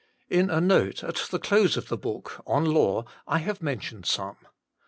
In a note at the close of the book on Law I have mentioned some.